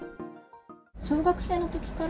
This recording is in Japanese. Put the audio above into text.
小学生のときから。